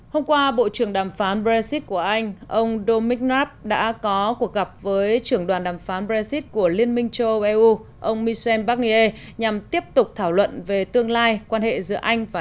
hôm qua bộ trưởng đàm phán brexit của anh ông domicnab đã có cuộc gặp với trưởng đoàn đàm phán brexit của liên minh châu âu eu ông michel barnier nhằm tiếp tục thảo luận về tương lai quan hệ giữa anh và eu